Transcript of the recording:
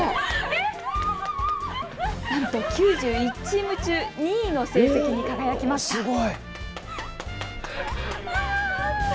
なんと９１チーム中、２位の成績に輝きました。